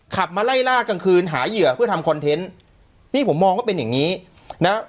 ขับมาไล่ล่ากลางคืนหาเหยื่อเพื่อทำคอนเทนต์นี่ผมมองว่าเป็นอย่างนี้นะ